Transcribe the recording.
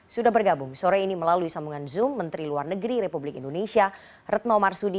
sudah bergabung sore ini melalui sambungan zoom menteri luar negeri republik indonesia retno marsudi